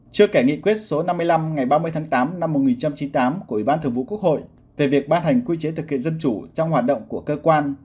chưa kể nghị quyết số năm mươi năm ngày ba mươi tháng tám năm một nghìn chín trăm chín mươi tám của ủy ban thường vụ quốc hội về việc ban hành quy chế thực hiện dân chủ trong hoạt động của cơ quan